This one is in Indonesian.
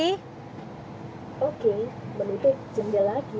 boleh ditutup jendela kiri